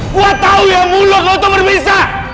gua tau yang mulu gak untuk berpisah